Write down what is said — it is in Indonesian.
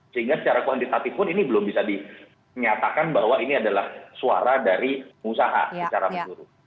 sehingga secara kuantitatif pun ini belum bisa dinyatakan bahwa ini adalah suara dari pengusaha secara menyeluruh